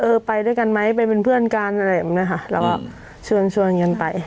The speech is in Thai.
ไปด้วยกันไหมไปเป็นเพื่อนกันอะไรแบบนี้ค่ะแล้วก็ชวนชวนกันไป